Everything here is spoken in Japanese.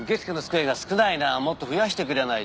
もっと増やしてくれないと。